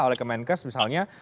oleh kemenkes misalnya